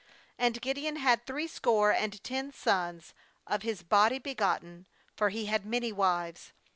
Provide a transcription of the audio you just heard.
30And Gideon had threescore and ten sons of his body begotten; for he had many wives.